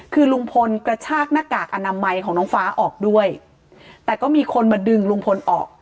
คือลุงพลกระชากหน้ากากอนามัยของน้องฟ้าออกด้วยแต่ก็มีคนมาดึงลุงพลออก